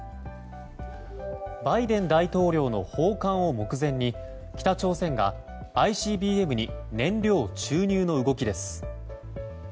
バイデン大統領の訪韓を目前に北朝鮮がＩＣＢＭに燃料注入の動きです。